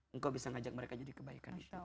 engkau bisa mengajak mereka jadi kebaikan